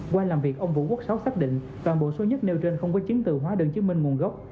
qua làm việc ông vũ quốc sáu xác định toàn bộ số nhất nêu trên không có chứng từ hóa đơn chứng minh nguồn gốc